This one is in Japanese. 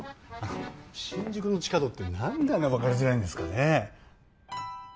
新宿の地下道ってなんであんな分かりづらいんですかね